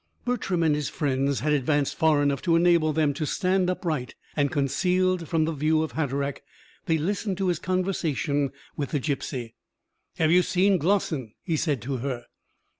Bertram and his friends had advanced far enough to enable them to stand upright, and concealed from the view of Hatteraick, they listened to his conversation with the gipsy. "Have you seen Glossin?" he said to her.